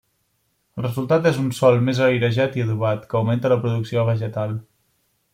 El resultat és un sòl més airejat i adobat, que augmenta la producció vegetal.